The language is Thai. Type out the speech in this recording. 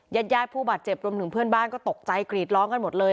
ญาติญาติผู้บาดเจ็บรวมถึงเพื่อนบ้านก็ตกใจกรีดร้องกันหมดเลย